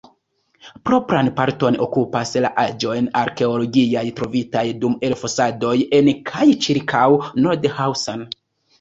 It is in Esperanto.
Propran parton okupas la aĵoj arkeologiaj, trovitaj dum elfosadoj en kaj ĉirkaŭ Nordhausen.